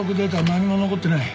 何も残ってない。